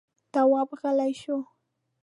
تواب غلی شو.